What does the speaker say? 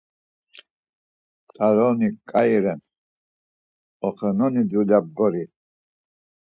Ťaroni ǩai ren, oxenoni dulya bgori.